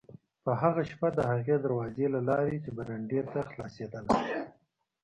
په هغه شپه د هغې دروازې له لارې چې برنډې ته خلاصېدله.